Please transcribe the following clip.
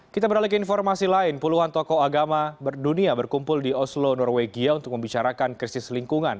kita beralih ke informasi lain puluhan tokoh agama berdunia berkumpul di oslo norwegia untuk membicarakan krisis lingkungan